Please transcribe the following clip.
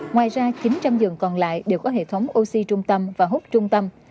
ngoài ra chín trăm linh giường còn lại đều có hệ thống oxy trung tâm và hút trung tâm